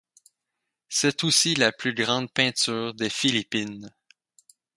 C'est aussi la plus grande peinture des Philippines.